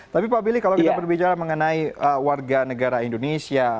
tapi pak billy kalau kita berbicara mengenai warga negara indonesia